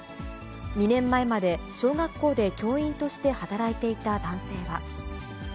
２年前まで小学校で教員として働いていた男性は。